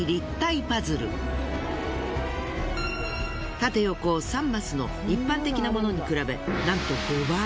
縦横３マスの一般的なものに比べなんと５倍。